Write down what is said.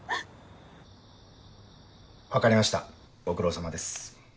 分かりましたご苦労さまです。